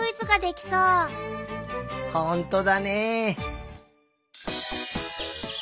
ほんとだね。